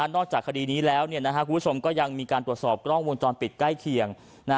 จากคดีนี้แล้วคุณผู้ชมก็ยังมีการตรวจสอบกล้องวงจรปิดใกล้เคียง